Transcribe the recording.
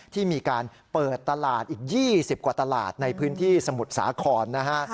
ที่มีการเปิดตลาดอีก๒๐กว่าตลาดในพื้นที่สมุทรสาครนะฮะ